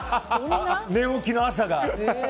寝起きの朝が。